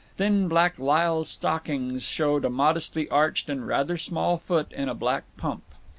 Thin black lisle stockings showed a modestly arched and rather small foot in a black pump.